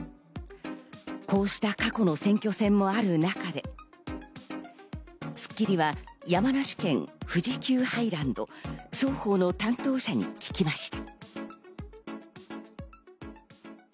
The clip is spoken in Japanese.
こうした過去の選挙戦もある中で、『スッキリ』は山梨県、富士急ハイランド、双方の担当者に聞きました。